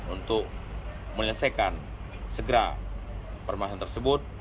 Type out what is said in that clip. untuk menyelesaikan segera permasalahan tersebut